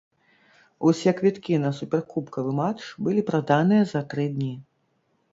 Усе квіткі на суперкубкавы матч былі праданыя за тры дні.